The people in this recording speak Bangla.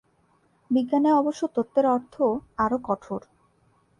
বিজ্ঞানে অবশ্য তত্ত্বের অর্থ আরও কঠোর।